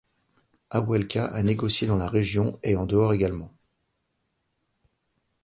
Hawełka a négocié dans la région et en dehors également.